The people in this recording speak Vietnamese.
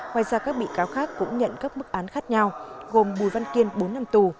ngoài ra các bị cáo khác cũng nhận các mức án khác nhau gồm bùi văn kiên bốn năm tù